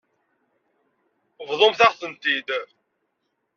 Bḍumt-aɣ-ten-id.